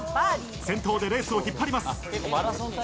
先頭でレースを引っ張ります。